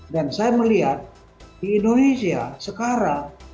dan saya melihat di indonesia sekarang